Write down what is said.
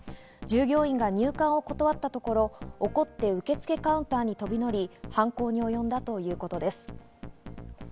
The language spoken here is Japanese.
従業員が入館を断ったところ怒って受付カウンターに飛び乗り、犯行におよんだということです。